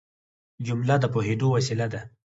جمله د پوهېدو وسیله ده.